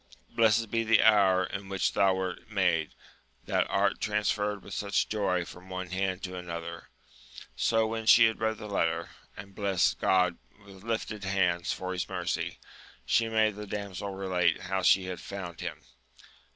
Blessed be the hour in which thou wert made, that art transferred with such joy from one hand to another ! So when she had read the letter, and blest God with lifted hands for his mercy, she made the damsel relate how she had found him.